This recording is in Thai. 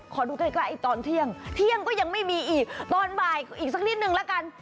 ขอดูใกล้ตอนเที่ยงเที่ยงก็ยังไม่มีอีกตอนบ่ายอีกสักนิดนึงละกัน